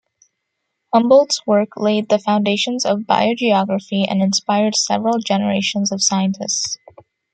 Humboldt's work laid the foundations of biogeography and inspired several generations of scientists.